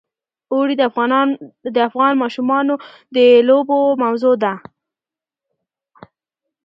اوړي د افغان ماشومانو د لوبو موضوع ده.